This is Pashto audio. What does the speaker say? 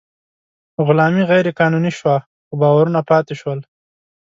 غلامي غیر قانوني شوه، خو باورونه پاتې شول.